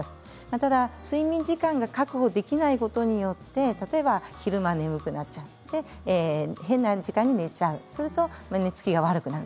ただ、睡眠時間を確保できないことによって例えば昼間眠くなっちゃって変な時間に寝ててしまうそうすると寝つきが悪くなる